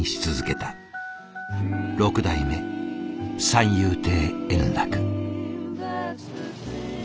六代目三遊亭円楽。